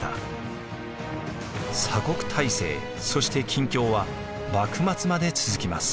鎖国体制そして禁教は幕末まで続きます。